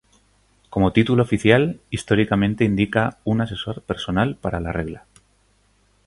Como título oficial, históricamente indica un asesor personal para la regla.